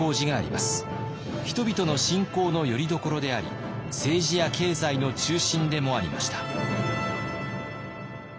人々の信仰のよりどころであり政治や経済の中心でもありました。